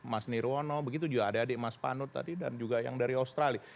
mas nirwono begitu juga adik adik mas panut tadi dan juga yang dari australia